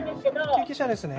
救急車ですね。